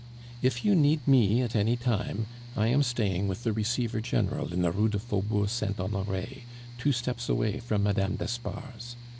"If you need me at any time, I am staying with the Receiver General in the Rue du Faubourg Saint Honore, two steps away from Mme. d'Espard's.